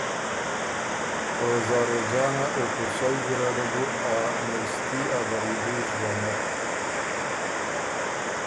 او زاروجانه او پُݭئ ګیرډه بُو ا نېݭتي ا غریبي ژوّنک۔